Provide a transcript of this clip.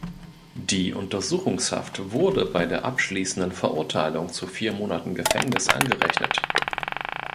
Die Untersuchungshaft wurde bei der abschließenden Verurteilung zu vier Monaten Gefängnis angerechnet.